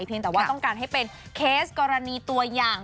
แต่ว่าต้องการให้เป็นเคสกรณีตัวอย่าง